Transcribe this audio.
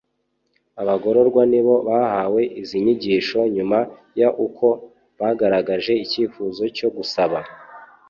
Abagororwa nibo bahawe izi nyigisho nyuma y uko bagaragaje icyifuzo cyo gusaba